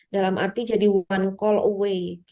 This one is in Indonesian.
dalam arti jadi one call away